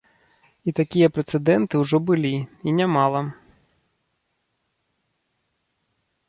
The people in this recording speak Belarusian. І такія прэцэдэнты ўжо былі, і нямала.